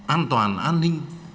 an toàn an ninh